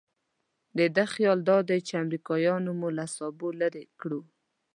د ده خیال دادی چې امریکایانو مو له سابو لرې کړو.